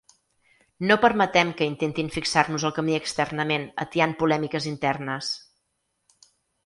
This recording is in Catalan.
No permetem que intentin fixar-nos el camí externament atiant polèmiques internes.